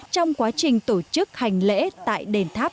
trong quá trình tổ chức hành lễ tại đền tháp